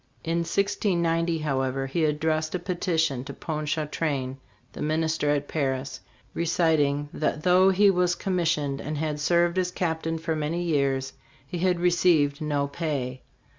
In 1690, however, he addressed a peti tion to Ponchartrain, the minister at Paris, reciting that though he was commissioned and had served as captain for many years, he had received no pay.